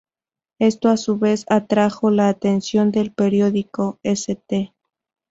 Esto a su vez atrajo la atención del periódico "St.